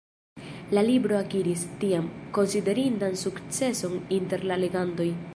La libro akiris, tiam, konsiderindan sukceson inter la legantoj.